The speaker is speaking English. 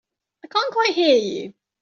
I can't quite hear you.